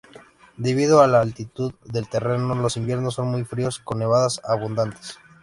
Debido a la altitud del terreno, los inviernos son muy fríos con nevadas abundantes.